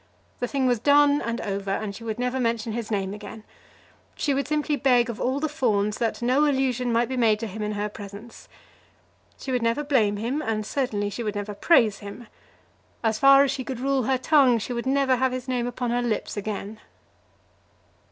The thing was done and over, and she would never mention his name again. She would simply beg of all the Fawns that no allusion might be made to him in her presence. She would never blame him, and certainly she would never praise him. As far as she could rule her tongue, she would never have his name upon her lips again.